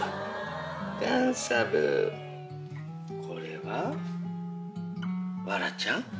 これはわらちゃん？